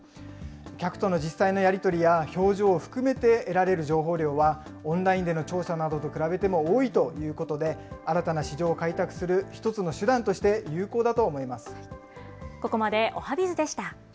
客との実際のやり取りや、表情を含めて得られる情報量はオンラインでの調査などと比べても多いということで、新たな市場を開拓する一つの手段として有効だと思います。